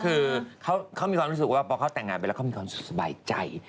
คือเขามีความรู้สึกว่าพอเขาแต่งงานไปแล้วเขามีความสุขสบายใจ